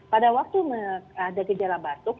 pada waktu ada gejala batuk